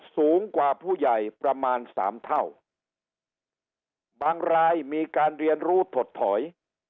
สูงกว่าผู้ใหญ่ประมาณสามเท่าบางรายมีการเรียนรู้ถดถอย